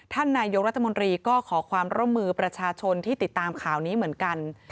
ท่านนายกรัฐมนตรีก็ขอความร่วมมือประชาชนที่ติดตามข่าวนี้เหมือนกัน